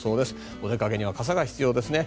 お出かけには傘が必要ですね。